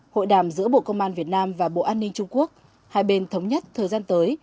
hội đàm giữa bộ công an việt nam và bộ an ninh trung quốc hai bên thống nhất thời gian tới